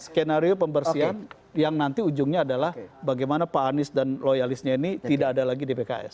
skenario pembersihan yang nanti ujungnya adalah bagaimana pak anies dan loyalisnya ini tidak ada lagi di pks